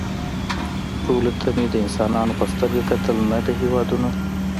ټولو ته مې د انسانانو په سترګه کتل نه د هېوادونو